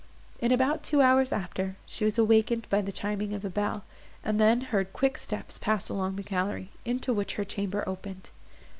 In about two hours after, she was awakened by the chiming of a bell, and then heard quick steps pass along the gallery, into which her chamber opened.